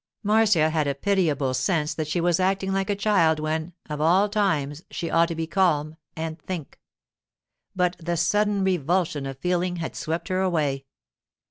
Marcia had a pitiable sense that she was acting like a child when, of all times, she ought to be calm and think. But the sudden revulsion of feeling had swept her away.